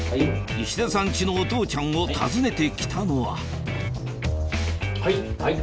石田さんチのお父ちゃんを訪ねて来たのははいはい。